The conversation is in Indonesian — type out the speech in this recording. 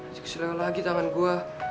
aduh keseliluan lagi tangan gue